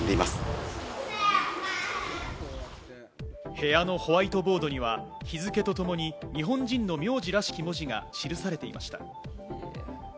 部屋のホワイトボードには、日付とともに日本人の名字らしき文字が記されていました。